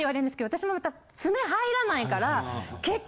私もまた爪入らないから結局。